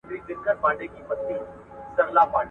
که سړی نشه نه وي، ایا طلاق یې واقع دی؟